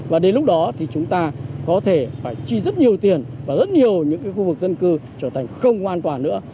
và đến lúc đó thì chúng ta có thể phải chi rất nhiều tiền và rất nhiều những khu vực dân cư trở thành không hoàn toàn nữa